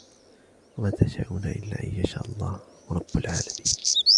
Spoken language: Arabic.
وَمَا تَشَاؤُونَ إِلاَّ أَن يَشَاء اللَّهُ رَبُّ الْعَالَمِينَ